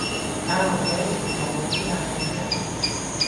อ้าวเฮ้ย ตกลงพี่มาไงเนี่ย